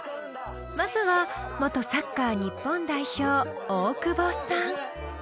［まずは元サッカー日本代表大久保さん］